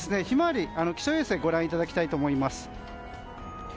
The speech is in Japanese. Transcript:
ひまわり、気象衛星ご覧いただきたいと思います。